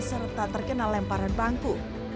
serta terkena lemparan bangku